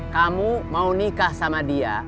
kamu mau nikah sama dia